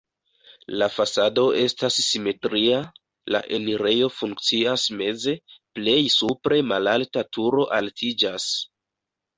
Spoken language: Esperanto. La fasado estas simetria, la enirejo funkcias meze, plej supre malalta turo altiĝas.